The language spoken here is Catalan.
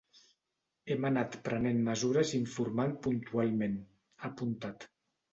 “Hem anat prenent mesures i informant puntualment”, ha apuntat.